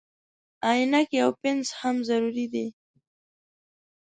عینکې او پنس هم ضروري دي.